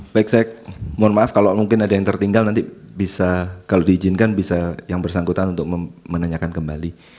baik saya mohon maaf kalau mungkin ada yang tertinggal nanti bisa kalau diizinkan bisa yang bersangkutan untuk menanyakan kembali